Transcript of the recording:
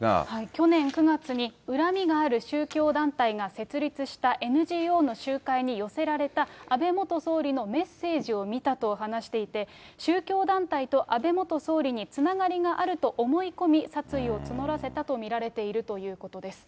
去年９月に恨みがある宗教団体が設立したＮＧＯの集会に寄せられた安倍元総理のメッセージを見たと話していて、宗教団体と安倍元総理につながりがあると思い込み、殺意を募らせたと見られているということです。